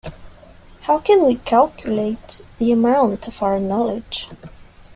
How can we calculate the amount of our knowledge?